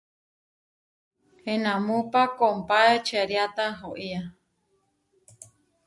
Enámupa kompáe čeriáta oʼía.